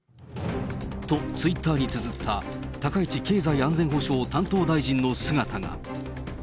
と、ツイッターにつづった高市経済安全保障担当大臣の姿が。